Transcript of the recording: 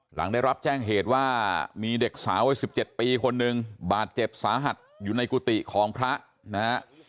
หลังได้รับแจ้งเหตุว่ามีเด็กสาววัย๑๗ปีคนหนึ่งบาดเจ็บสาหัสอยู่ในกุฏิของพระนะฮะ